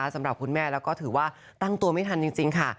สำหรับคุณแม่แล้วก็ถือว่าตั้งตัวไม่ทันจริงค่ะ